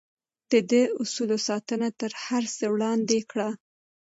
ده د اصولو ساتنه تر هر څه وړاندې کړه.